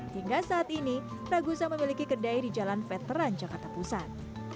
hingga saat ini ragusa memiliki kedai di jalan veteran jakarta pusat